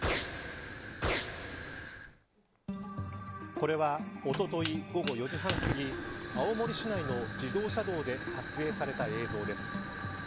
これはおととい午後４時半すぎ青森市内の自動車道で撮影された映像です。